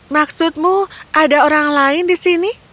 maksudmu ada orang lain di sini